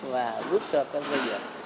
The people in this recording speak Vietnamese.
và giúp cho các doanh nghiệp